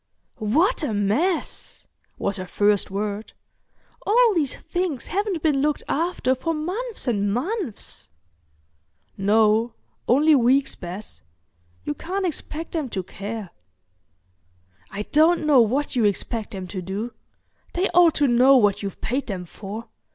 "What a mess!" was her first word. "All these things haven't been looked after for months and months." "No, only weeks, Bess. You can't expect them to care." "I don't know what you expect them to do. They ought to know what you've paid them for.